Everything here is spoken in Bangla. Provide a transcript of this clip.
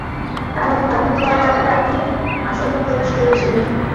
কারণ বাঘে খাওয়ার ব্যাপারে আপনি আশংকা প্রকাশ করেছিলেন।